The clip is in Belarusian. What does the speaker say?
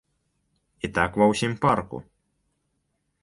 І так ва ўсім парку.